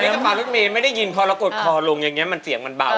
กระเป๋ารถเมย์ไม่ได้ยินพอเรากดคอลงอย่างนี้มันเสียงมันเบา